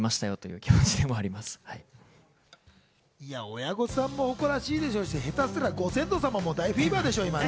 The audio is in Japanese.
親御さんも誇らしいでしょうし、下手したらご先祖さんも大フィーバーでしょう。